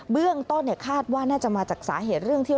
เบื้องต้นคาดว่าน่าจะมาจากสาเหตุเรื่องที่